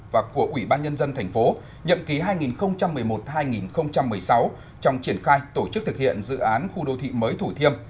và của ủy ban nhân dân tp nhậm ký hai nghìn một mươi một hai nghìn một mươi sáu trong triển khai tổ chức thực hiện dự án khu đô thị mới thủ thiêm